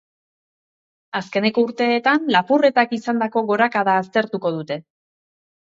Azkeneko urteetan lapurretak izandako gorakada aztertuko dute.